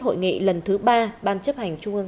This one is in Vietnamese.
hội nghị lần thứ ba ban chấp hành trung ương